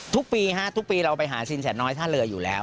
ทุกปีฮะทุกปีเราไปหาสินแสน้อยท่าเรืออยู่แล้ว